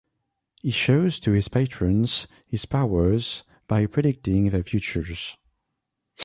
He shows to his patrons his powers by predicting their futures.